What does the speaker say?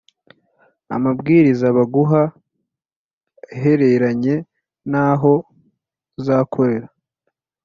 amabwiriza baguha ahereranye n’aho uzakorera